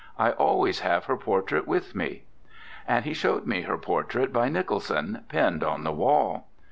I always have her portrait with me.' And he showed me her portrait by Nicholson, pinned on the wall.